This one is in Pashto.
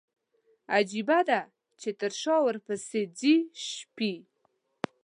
عجيبه ده، چې تر شا ورپسي ځي شپي